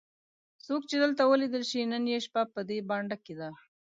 څوک چې دلته ولیدل شي نن یې شپه په دې بانډه کې ده.